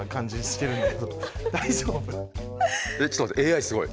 ちょっと待ってＡＩすごい。